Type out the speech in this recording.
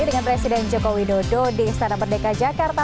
dengan presiden joko widodo di istana merdeka jakarta